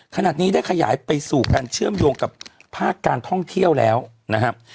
ขณะนี้ได้ขยายไปสู่การเชื่อมโยงกับภาคการท่องเที่ยวแล้วนะครับ